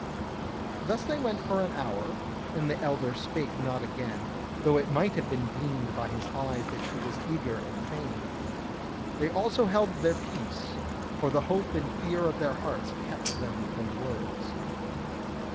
Thus they went for an hour, and the elder spake not again, though it might have been deemed by his eyes that he was eager and fain. They also held their peace; for the hope and fear of their hearts kept them from words.